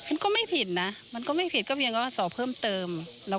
ออกมาเป็นเพิ่มเติม